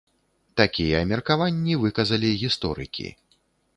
Такія меркаванні выказалі гісторыкі.